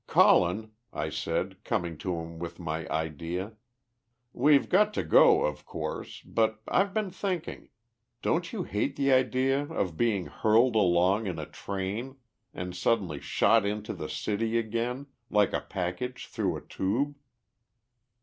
"Colin," I said, coming to him with my idea. "We've got to go, of course, but I've been thinking don't you hate the idea of being hurled along in a train, and suddenly shot into the city again, like a package through a tube?"